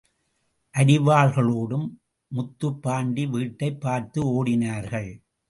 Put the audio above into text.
அரிவாள்களோடும், முத்துப்பாண்டி வீட்டைப் பார்த்து ஓடினார்கள்.